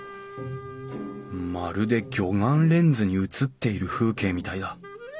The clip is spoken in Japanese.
まるで魚眼レンズに映っている風景みたいだ。